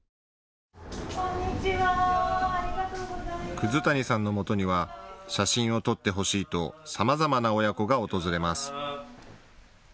葛谷さんのもとには写真を撮ってほしいとさまざまな親子が訪れます。